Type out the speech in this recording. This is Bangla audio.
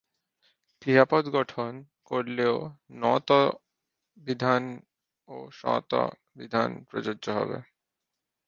ক্রিয়াপদ গঠন করলেও ণ-ত্ব বিধান ও ষ-ত্ব বিধান প্রযোজ্য হবে।